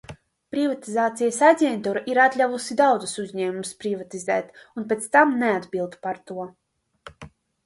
Privatizācijas aģentūra ir atļāvusi daudzus uzņēmumus privatizēt un pēc tam neatbild par to.